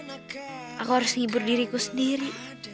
aku harus hibur diriku sendiri